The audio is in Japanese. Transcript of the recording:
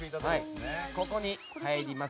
ここに入ります。